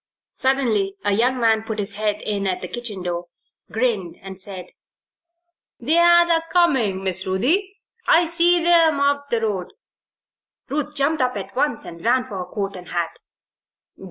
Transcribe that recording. Suddenly a young man put his head in at the kitchen door, grinned, and said: "They're a comin', Miss Ruthie. I see 'em up the road." Ruth jumped up at once and ran for her coat and hat.